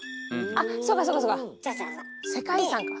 あっそうかそうか世界遺産か。